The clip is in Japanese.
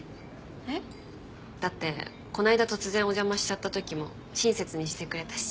えっ？だってこないだ突然お邪魔しちゃったときも親切にしてくれたし。